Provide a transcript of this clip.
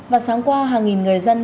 và sáng qua hàng nghìn người dân